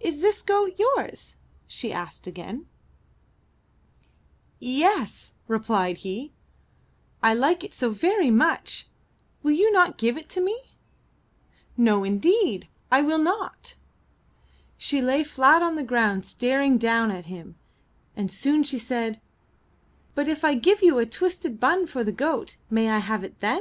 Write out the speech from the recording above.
*'Is this goat yours?" she asked again. 359 MY BOOK HOUSE ''Ye es!" replied he. "I like it so very much. Will you not give it to me?'' '^No indeed, I will not." She lay flat on the ground staring down at him, and soon she said: ''But if I give you a twisted bun for the goat, may I have it then?"